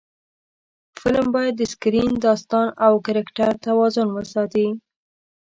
فلم باید د سکرېن، داستان او کرکټر توازن وساتي